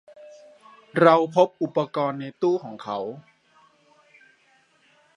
เราพบอุปกรณ์ในตู้ของเขา